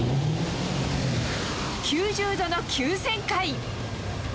９０度の急旋回。